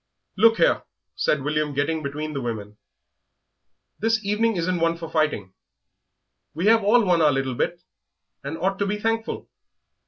"Look here," said William, getting between the women; "this evening isn't one for fighting; we have all won our little bit, and ought to be thankful.